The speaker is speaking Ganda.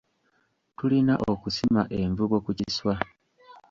Tulina okusima envubo ku kiswa.